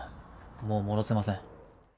もう戻せません。